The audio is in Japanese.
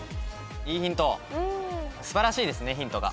すばらしいですねヒントが。